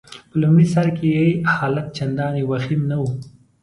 په لمړي سر کي يې حالت چنداني وخیم نه وو.